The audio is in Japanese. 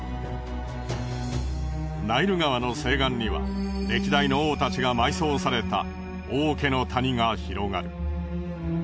ナイル川の西岸には歴代の王たちが埋葬された王家の谷が広がる。